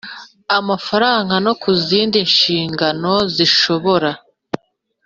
mafaranga no ku zindi nshingano zishobora